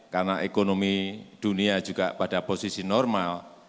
karena ekonomi dunia juga pada posisi normal